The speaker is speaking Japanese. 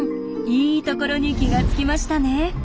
いいところに気がつきましたね。